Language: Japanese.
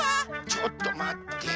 ちょっとまって。